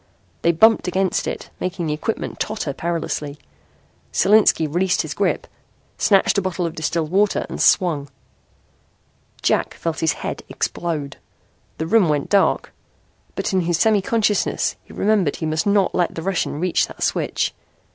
They bumped against it, making the equipment totter perilously. Solinski released his grip, snatched a bottle of distilled water and swung. Jack felt his head explode. The room went dark. But in his semi consciousness he remembered he must not let the Russian reach that switch.